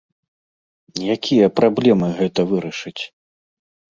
Якія праблемы гэта вырашыць?